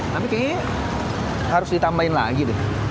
tapi kayaknya harus ditambahin lagi deh